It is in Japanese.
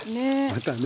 またね。